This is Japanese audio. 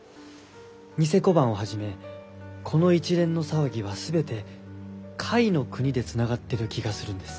贋小判をはじめこの一連の騒ぎはすべて甲斐国でつながってる気がするんです。